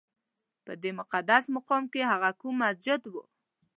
په دې مقدس مقام کې هغه کوم مسجد و؟